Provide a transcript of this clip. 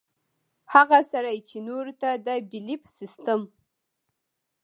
هغه سړے چې نورو ته د بيليف سسټم